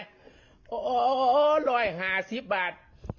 โอ้โหร้อยหาสิบบาท